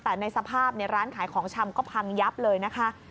แต่ในสภาพร้านขายของชำก็พังยับเลยนะคะ